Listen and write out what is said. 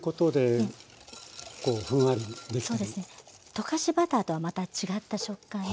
溶かしバターとはまた違った食感で。